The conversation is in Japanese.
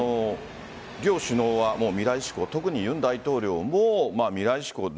両首脳は未来志向特に尹大統領も未来志向。